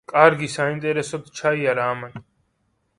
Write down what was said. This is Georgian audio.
კარგი, საინტერესოდ ჩაიარა ამან.